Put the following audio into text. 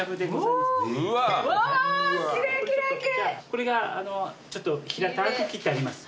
これが平たく切ってあります。